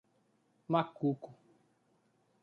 Macuco